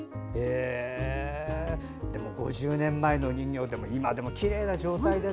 ５０年前の人形今でもきれいな状態でね。